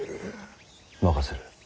任せる。